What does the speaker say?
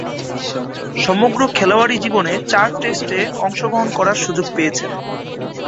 সমগ্র খেলোয়াড়ী জীবনে চার টেস্টে অংশগ্রহণ করার সুযোগ পেয়েছেন।